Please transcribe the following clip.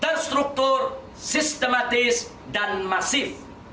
dengan struktur sistematis dan masif